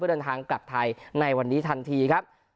เดินทางกลับไทยในวันนี้ทันทีครับ